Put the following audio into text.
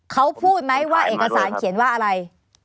เขาพูดไหมว่าเอกสารเขียนว่าอะไร